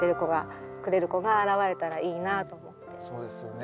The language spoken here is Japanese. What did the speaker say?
そうですよね。